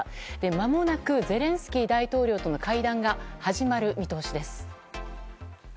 まもなくゼレンスキー大統領との会談が始まる見通しです。